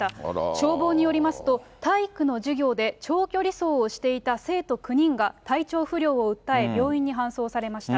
消防によりますと、体育の授業で長距離走をしていた生徒９人が体調不良を訴え、病院に搬送されました。